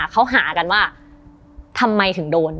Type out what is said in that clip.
เขาหากันว่าทำไมถึงโดน